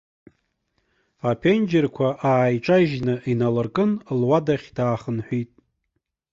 Аԥенџьырқәа ааиҿажьны иналыркын, луадахь даахынҳәит.